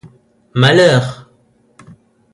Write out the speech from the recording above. Malheur !